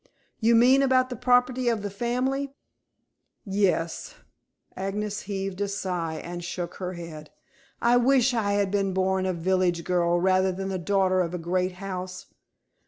"You mean about the property of the family?" "Yes." Agnes heaved a sigh and shook her head. "I wish I had been born a village girl rather than the daughter of a great house.